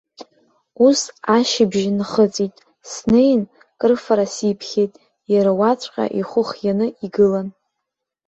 Ус ашьыбжь нхыҵит, снеин, крыфара сиԥхьеит, иара уаҵәҟьа ихәы хианы игылан.